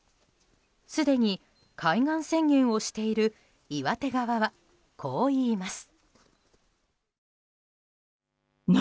すでに開眼宣言をしている岩手側は、こう言います。